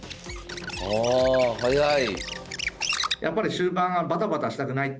ああ早い。